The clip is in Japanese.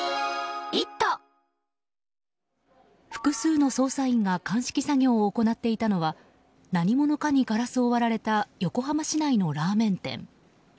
複数の捜査員が鑑識作業を行っていたのは何者かにガラスを割られた横浜市内のラーメン店。